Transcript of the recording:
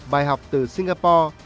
bài học từ singapore